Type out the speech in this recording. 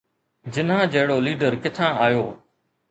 جناح جهڙو ليڊر ڪٿان آيو؟